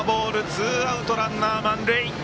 ツーアウト、ランナー満塁。